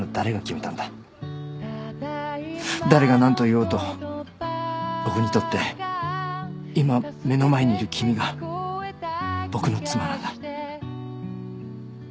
誰がなんと言おうと僕にとって今目の前にいる君が僕の妻なんだ。